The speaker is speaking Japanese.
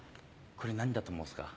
これ何だと思いますか？